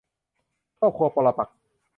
ครอบครองปรปักษ์